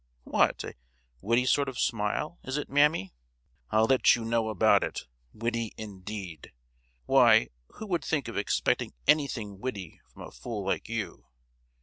"What, a witty sort of smile, is it, mammy?" "I'll let you know about it! Witty, indeed! Why, who would think of expecting anything witty from a fool like you.